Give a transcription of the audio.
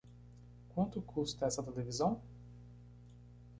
Quanta custa essa televisão?